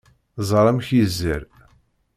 Ẓer amek yezzer!